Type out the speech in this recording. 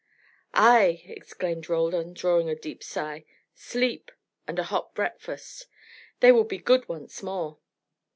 "Ay!" exclaimed Roldan, drawing a deep sigh. "Sleep and a hot breakfast. They will be good once more."